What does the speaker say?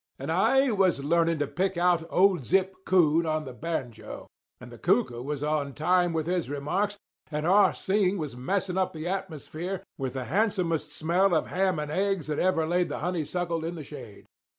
And I was learning to pick out "Old Zip Coon" on the banjo, and the cuckoo was on time with his remarks, and Ah Sing was messing up the atmosphere with the handsomest smell of ham and eggs that ever laid the honeysuckle in the shade.